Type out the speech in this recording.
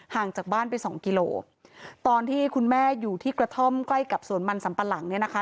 จากบ้านไปสองกิโลตอนที่คุณแม่อยู่ที่กระท่อมใกล้กับสวนมันสัมปะหลังเนี่ยนะคะ